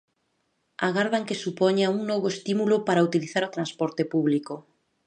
Agardan que supoña un novo estímulo para utilizar o transporte público.